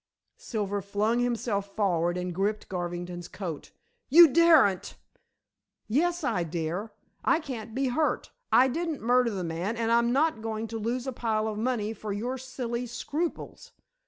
Silver flung himself forward and gripped Garvington's coat. "You daren't!" "Yes, I dare. I can't be hurt. I didn't murder the man and I'm not going to lose a pile of money for your silly scruples."